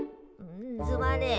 すまねえ。